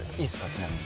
ちなみに。